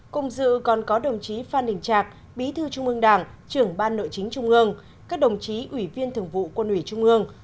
cùng dự còn có đồng chí phan đình trạc bí thư trung ương đảng trưởng ban nội chính trung ương các đồng chí ủy viên thường vụ quân ủy trung ương